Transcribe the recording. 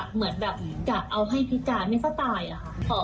เหมือนแบบกะเอาให้พิการให้สไตล์อะค่ะ